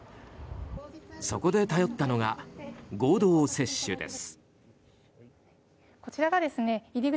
そこで頼ったのが合同接種です。